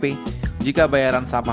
jadi jika bayaran sampah menggunakan sampah